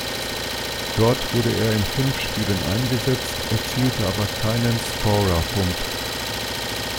Dort wurde er in fünf Spielen eingesetzt, erzielte aber keinen Scorerpunkt.